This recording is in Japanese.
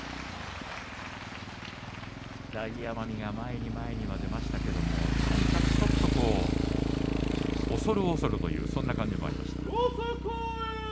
大奄美が前に前には出ましたが何か恐る恐るというそんな感じがありました。